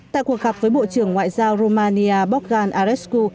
tại cuộc gặp với bộ trưởng ngoại giao romania bocan arescu